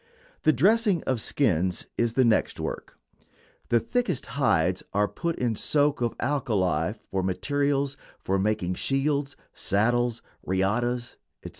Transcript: The dressing of skins is the next work. The thickest hides are put in soak of alkali for materials for making shields, saddles, riatas, etc.